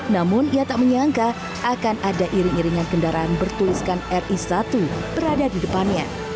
namun ia tak menyangka akan ada iring iringan kendaraan bertuliskan ri satu berada di depannya